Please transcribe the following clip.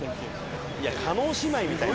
叶姉妹みたいな。